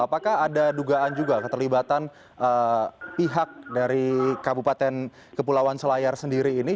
apakah ada dugaan juga keterlibatan pihak dari kabupaten kepulauan selayar sendiri ini